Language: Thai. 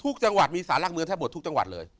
จังหวัดมีสารหลักเมืองแทบหมดทุกจังหวัดเลย